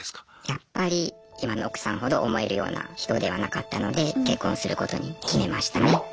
やっぱり今の奥さんほど思えるような人ではなかったので結婚することに決めましたね。